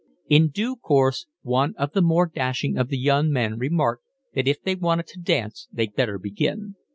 In due course one of the more dashing of the young men remarked that if they wanted to dance they'd better begin.